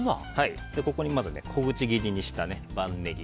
ここにまず小口切りにした万能ネギ。